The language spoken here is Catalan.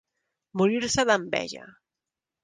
Morir-se d'enveja.